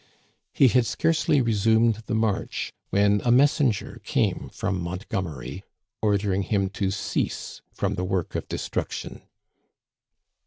He had scarcely resumed the march when a messenger came from Montgomery, ordering him to cease from the work of destruction.